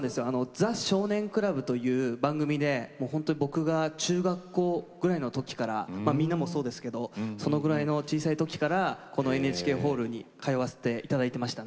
「ザ少年倶楽部」という番組で僕が中学校ぐらいの時からまあみんなもそうですけどそのぐらいの小さい時からこのＮＨＫホールに通わせて頂いていましたね。